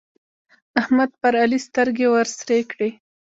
احمد پر علي سترګې ورسرې کړې.